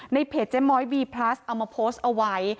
เพจเจ๊ม้อยบีพลัสเอามาโพสต์เอาไว้